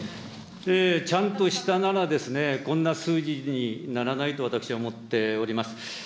ちゃんとしたならですね、こんな数字にならないと私は思っております。